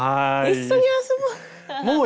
「一緒に遊ぼう」。